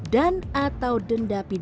dan atau denda satu miliar rupiah